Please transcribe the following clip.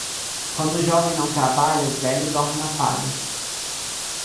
Quando o jovem não trabalha, o velho dorme na palha.